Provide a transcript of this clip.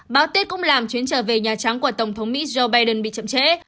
báo tết cũng làm chuyến trở về nhà trắng của tổng thống mỹ joe biden bị chậm trễ